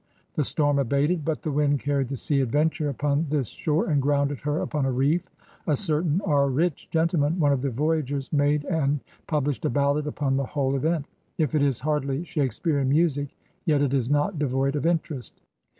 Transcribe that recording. The storm abated, but the wind carried the Sea Adventure upon this shore and grounded her upon a reef. A certain R. Rich, gentleman, one of the voyagers, made and pub lished a ballad upon the whole event. If it is hardly Shakespearean music, yet it is not devoid of interest.